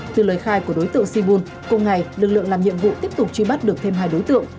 từ lời khai của đối tượng si bun cùng ngày lực lượng làm nhiệm vụ tiếp tục truy bắt được thêm hai đối tượng